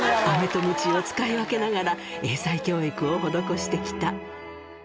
アメとムチを使い分けながら、英才教育を施してきた。